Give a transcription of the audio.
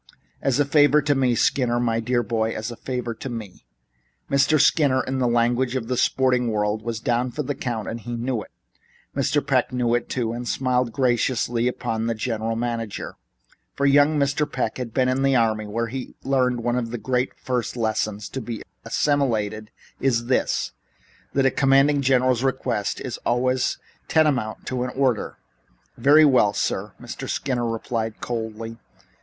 As a favor to me, Skinner, my dear boy, as a favor to me." Mr. Skinner, in the language of the sporting world, was down for the count and knew it. Young Mr. Peck knew it too, and smiled graciously upon the general manager, for young Mr. Peck had been in the army, where one of the first great lessons to be assimilated is this: that the commanding general's request is always tantamount to an order. "Very well, sir," Mr. Skinner replied coldly.